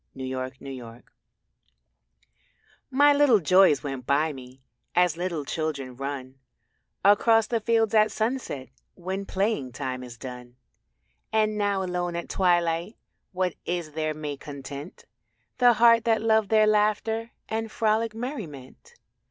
THE LITTLE JOYS My little joys went by me As little children run Across the fields at sunset When playing time is done. And now alone at twilight What is there may content The heart that loved their laughter And frolic merriment?